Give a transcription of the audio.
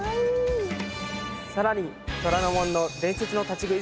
さらに虎ノ門の伝説の立ち食い